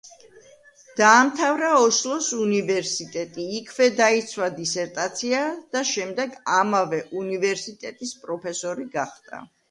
დაამთავრა ოსლოს უნივერსიტეტი, იქვე დაიცვა დისერტაცია და შემდეგ ამავე უნივერსიტეტის პროფესორი გახდა.